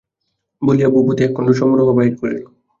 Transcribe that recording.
বলিয়া ভূপতি একখণ্ড সরোরুহ বাহির করিল।